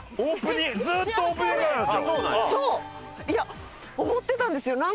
いや思ってたんですよ。